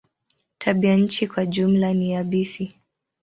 Tabianchi kwa jumla ni yabisi.